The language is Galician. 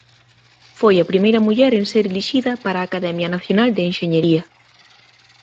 Foi a primeira muller en ser elixida para a Academia Nacional de Enxeñería.